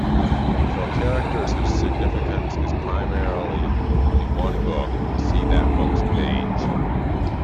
For characters whose significance is primarily in one book, see that book's page.